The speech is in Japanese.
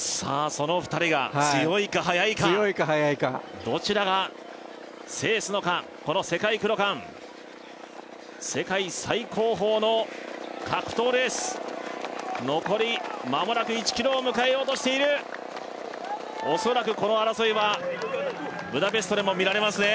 その２人が強いか速いか強いか速いかどちらが制すのかこの世界クロカン世界最高峰の格闘レース残りまもなく１ｋｍを迎えようとしている恐らくこの争いはブダペストでも見られますね